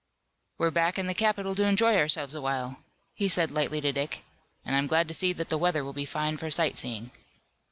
"We're back in the capital to enjoy ourselves a while," he said lightly to Dick, "and I'm glad to see that the weather will be fine for sight seeing."